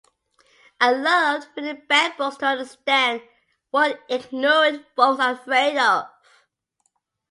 I love reading banned books to understand what ignorant folks are afraid of!